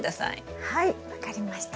はい分かりました。